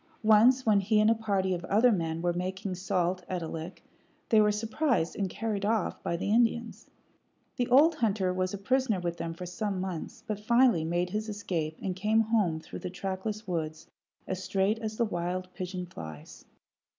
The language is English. Once when he and a party of other men were making salt at a lick, they were surprised and carried off by the Indians. The old hunter was a prisoner with them for some months, but finally made his escape and came home through the trackless woods as straight as the wild pigeon flies.